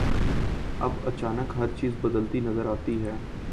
اب اچانک ہر چیز بدلتی نظر آتی ہے۔